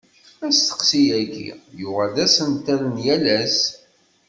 Asteqsi-agi, yuɣal d asentel n yal ass.